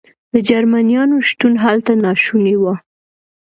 د جرمنیانو شتون هلته ناشونی و.